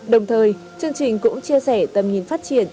đồng thời chương trình cũng chia sẻ tầm nhìn phát triển